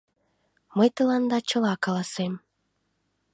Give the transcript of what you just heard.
Мый тыланда чыла каласем.